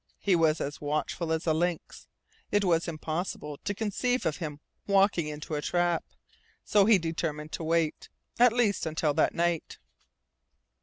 He was as watchful as a lynx. It was impossible to conceive of him walking into a trap. So he determined to wait, at least until that night.